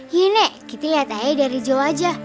iya nek kita lihat ayah dari jauh aja